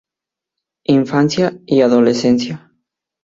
Infancia y adolescencia.